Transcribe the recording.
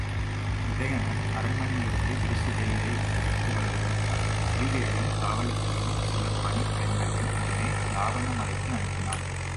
உதயணன் அரண்மனையிலிருந்து விரிசிகையை அழைத்து வருவதற்கான சிவிகையையும் காவலர்களையும் சில பணிப் பெண்களையும் உடனே இலாவாண மலைக்கு அனுப்பினான்.